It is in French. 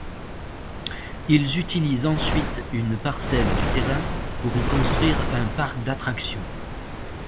Ils utilisent ensuite une parcelle du terrain pour y construire un parc d'attractions.